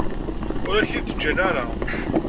Ur ak-t-id-ǧǧan ara.